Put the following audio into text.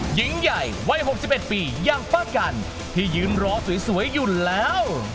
หญิงใหญ่วัย๖๑ปีอย่างป้ากันที่ยืนรอสวยอยู่แล้ว